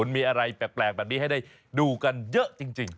มีอะไรแปลกแบบนี้ให้ได้ดูกันเยอะจริง